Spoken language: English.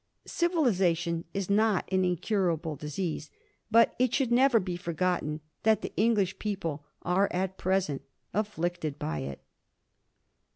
Civilization is not an incurable disease, but it should never be forgotten that the English people are at present afflicted by it.